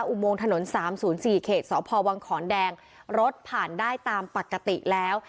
อุโมงถนน๓๐๔เขตสพวังขอนแดงรถผ่านได้ตามปกติแล้ว